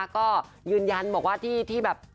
ก็ยืนยันบอกว่าที่แบบ